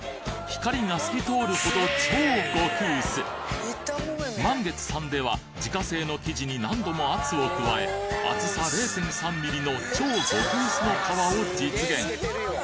光が透き通るほど満月さんでは自家製の生地に何度も圧を加え厚さ０．３ミリの超極薄の皮を実現